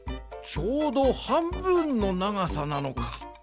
ちょうどはんぶんのながさなのか。